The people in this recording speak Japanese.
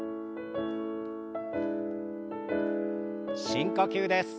深呼吸です。